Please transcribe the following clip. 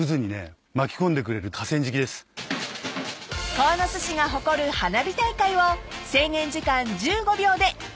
［鴻巣市が誇る花火大会を制限時間１５秒で］